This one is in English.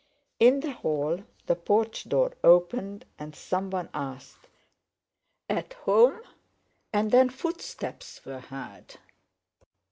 In the hall the porch door opened, and someone asked, "At home?" and then footsteps were heard.